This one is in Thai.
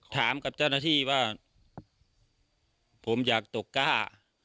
ถามกับเจ้าหน้าที่ว่าผมอยากตกกล้า